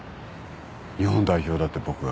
日本代表だって僕が。